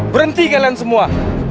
berhenti kalian semua